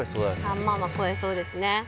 ３００００は超えそうですね